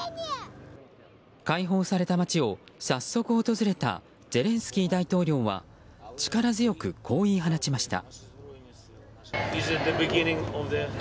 解放された街を早速訪れたゼレンスキー大統領は力強く、こう言い放ちました。